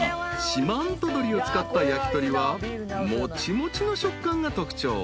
四万十鶏を使った焼き鳥はもちもちの食感が特徴］